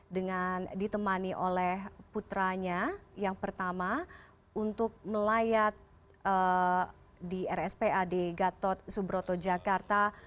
dengan ditemani oleh putranya yang pertama untuk melayat di rspad gatot subroto jakarta